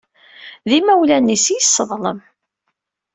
D imawlan-is i yesseḍlem.